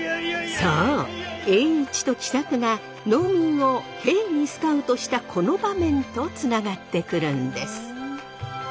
そう栄一と喜作が農民を兵にスカウトしたこの場面とつながってくるんです。